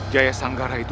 jaya sanggara itu